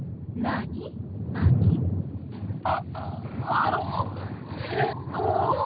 ああのえっと。